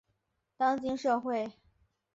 当今社会